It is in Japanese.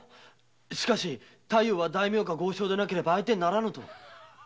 しかし太夫は大名か豪商でなければダメだと。